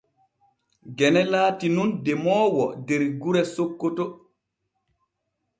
Gene laati nun demoowo der gure Sokkoto.